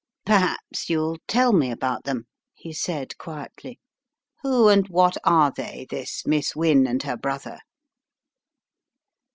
"Perhaps you will tell me about them," he said, quietly. " Who and what are they, this Miss Wynne and her brother?"